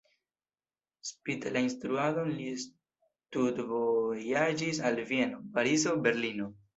Spite la instruadon li studvojaĝis al Vieno, Parizo, Berlino.